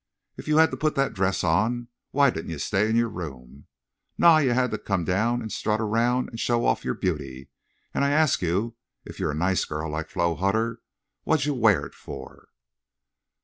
If you had to put that dress on, why didn't you stay in your room? Naw, you had to come down an' strut around an' show off your beauty. An' I ask you—if you're a nice girl like Flo Hutter—what'd you wear it fer?"